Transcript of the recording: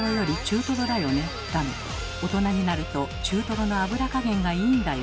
だの「大人になると中トロの脂加減がいいんだよ」